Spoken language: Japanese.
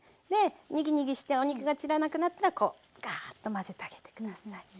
にぎにぎしてお肉が散らなくなったらこうガァーッと混ぜてあげてください。